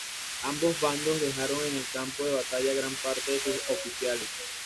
Ambos bandos dejaron en el campo de batalla a gran parte de sus oficiales.